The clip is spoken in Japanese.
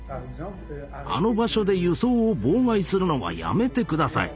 「あの場所で輸送を妨害するのはやめて下さい。